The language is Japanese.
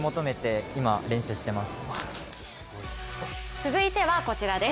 続いてはこちらです。